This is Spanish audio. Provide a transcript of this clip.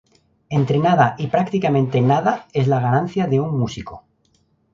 Entre nada y prácticamente nada es la ganancia de un músico